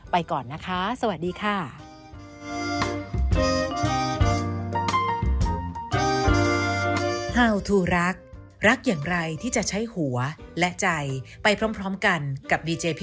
ไปก่อนนะคะสวัสดีค่ะ